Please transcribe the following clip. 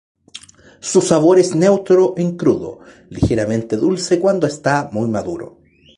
Su sabor es neutro en crudo, ligeramente dulce cuando está muy maduro.